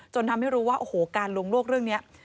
ทำให้รู้ว่าโอ้โหการลวงโลกเรื่องนี้